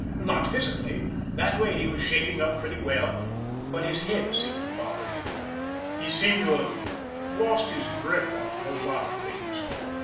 Not physically that way he was shaping up pretty well, but his head seemed to bother him he seemed to have lost his grip on a whole lot of things.